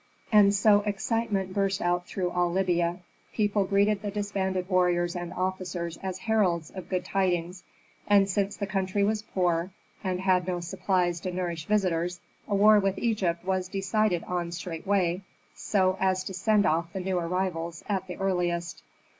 And so excitement burst out through all Libya. People greeted the disbanded warriors and officers as heralds of good tidings. And since the country was poor, and had no supplies to nourish visitors, a war with Egypt was decided on straightway, so as to send off the new arrivals at the earliest.